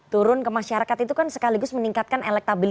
turun ke masyarakat itu kan sekaligus meningkatkan elektabilitas